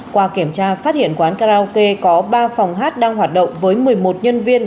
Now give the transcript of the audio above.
qua kiểm tra phát hiện quán karaoke có ba phòng hát đang hoạt động với một mươi một nhân viên